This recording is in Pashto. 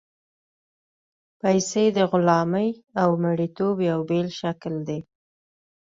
پیسې د غلامۍ او مرییتوب یو بېل شکل دی.